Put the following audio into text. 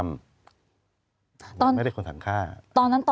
และไม่ได้คนถังฆ่า